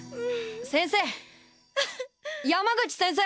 ・先生山口先生！